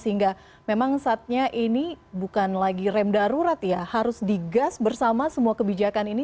sehingga memang saatnya ini bukan lagi rem darurat ya harus digas bersama semua kebijakan ini